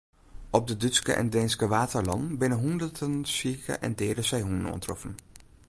Op de Dútske en Deenske Waadeilannen binne hûnderten sike en deade seehûnen oantroffen.